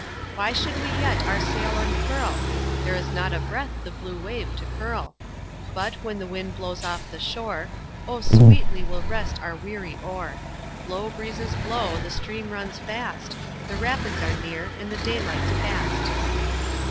Why should we yet our sail unfurl? There is not a breath the blue wave to curl; But, when the wind blows off the shore, Oh! sweetly we'll rest our weary oar. Blow, breezes, blow, the stream runs fast, The Rapids are near and the daylight's past.